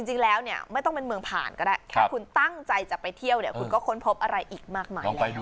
จริงแล้วเนี่ยไม่ต้องเป็นเมืองผ่านก็ได้ถ้าคุณตั้งใจจะไปเที่ยวเนี่ยคุณก็ค้นพบอะไรอีกมากมายแล้ว